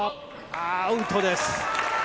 アウトです。